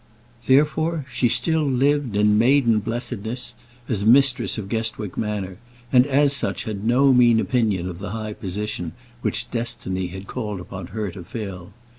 Therefore she still lived, in maiden blessedness, as mistress of Guestwick Manor; and as such had no mean opinion of the high position which destiny had called upon her to fill.